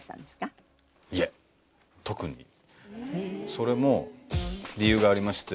それも理由がありまして。